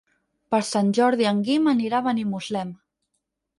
Per Sant Jordi en Guim anirà a Benimuslem.